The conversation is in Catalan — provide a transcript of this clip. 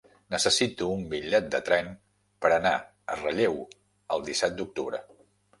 Necessito un bitllet de tren per anar a Relleu el disset d'octubre.